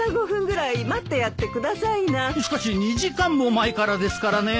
しかし２時間も前からですからね。